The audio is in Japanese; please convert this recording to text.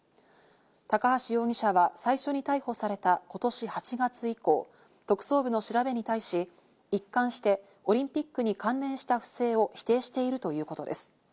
高橋容疑者は最初に逮捕された今年８月以降、特捜部の調べに対し、一貫してオリンピックに関連した不正を否定しているということです。